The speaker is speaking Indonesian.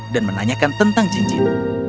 dan menanyakan tentang cincin